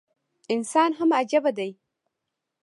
انسان هم عجيبه دی